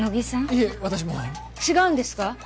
いえ私も違うんですか？